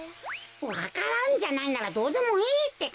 わか蘭じゃないならどうでもいいってか。